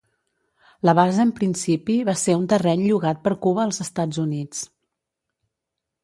La base en principi va ser un terreny llogat per Cuba als Estats Units.